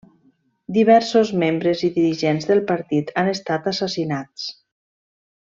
Diversos membres i dirigents del partit han estat assassinats.